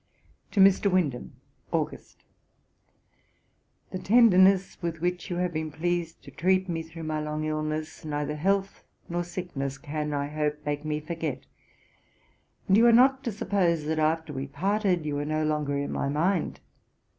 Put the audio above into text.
To MR. WINDHAM: August. 'The tenderness with which you have been pleased to treat me, through my long illness, neither health nor sickness can, I hope, make me forget; and you are not to suppose, that after we parted you were no longer in my mind.